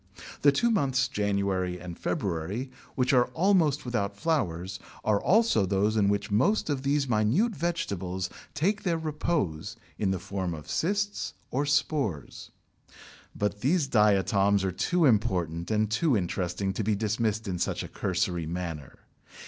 The two months January and February, which are almost without flowers, are also those in which most of these minute vegetables take their repose in the form of cysts or spores. But these diatoms are too important and too interesting to be dismissed in such a cursory manner.